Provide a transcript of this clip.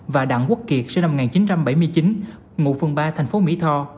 và đặng quốc kiệt sinh năm một nghìn chín trăm bảy mươi chín ngụ phường ba thành phố mỹ tho